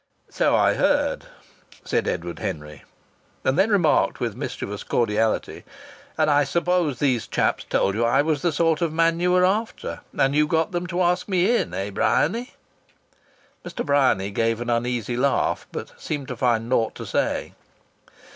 "So I heard," said Edward Henry, and then remarked with mischievous cordiality, "and I suppose these chaps told you I was the sort of man you were after. And you got them to ask me in, eh, Mr. Bryany?" Mr. Bryany gave an uneasy laugh, but seemed to find naught to say.